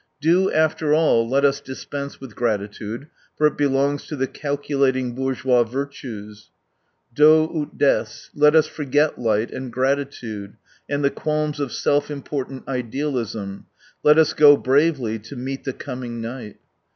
Do after all let us dispense with gratitude, for it belongs to the calculating, bourgeois virtues. Do ut des. Let us forget light, and gratitude, and the qualms of self important idealism, let us go bravely to meet the coming night.